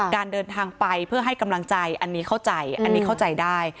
การเดินทางไปเพื่อให้กำลังใจอันนี้เข้าใจได้